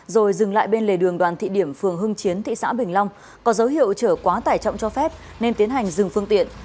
rồi dừng lại bên lề đường đoàn thị điểm phường hưng chiến thị xã bình long có dấu hiệu chở quá tải trọng cho phép nên tiến hành dừng phương tiện